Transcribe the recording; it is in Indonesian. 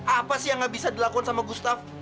apa sih yang gak bisa dilakukan sama gustaf